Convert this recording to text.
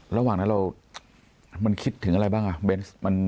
ระหว่างนั้นเรามันคิดถึงอะไรบ้างอ่ะเบนส์